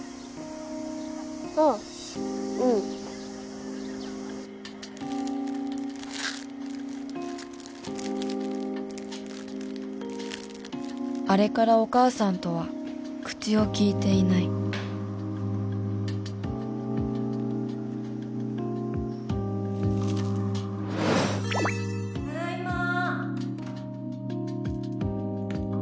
ああうんあれからお母さんとは口を利いていないただいまー